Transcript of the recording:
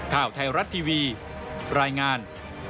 ข่าวไทยรัฐทีวีรายงาน